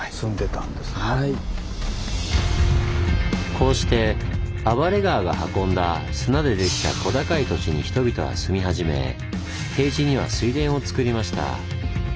こうして暴れ川が運んだ砂でできた小高い土地に人々は住み始め低地には水田をつくりました。